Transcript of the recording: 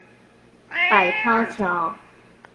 百韜橋